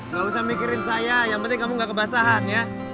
gak usah mikirin saya yang penting kamu gak kebasahan ya